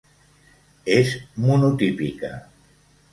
És monotípica.